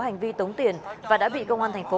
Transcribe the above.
hành vi tống tiền và đã bị công an thành phố